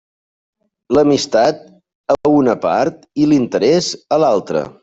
L'amistat a una part i l'interés a l'altra.